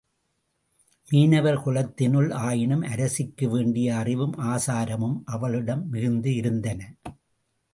மீனவர் குலத்தினள் ஆயினும் அரசிக்கு வேண்டிய அறிவும் ஆசாரமும் அவளிடம் மிகுந்து இருந்தன.